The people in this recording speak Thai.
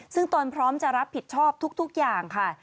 ซึ่งตนพร้อมจะรับผิดชอบทุกอย่างค่ะ